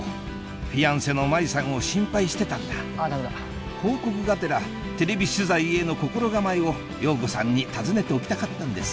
フィアンセのマイさんを心配してたんだ報告がてらテレビ取材への心構えを洋子さんに尋ねておきたかったんです